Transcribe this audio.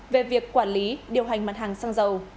về việc quản lý điều hành mặt hàng xăng dầu